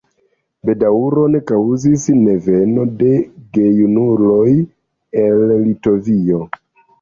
Bedaŭron kaŭzis neveno de gejunuloj el Litovio.